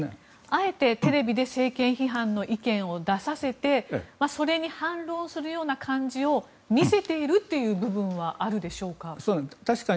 あえてテレビで政権批判の意見を出させてそれに反論させるような感じを見せている部分はありますでしょうか？